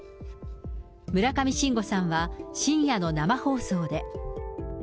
村上信五さんは深夜の生放送で。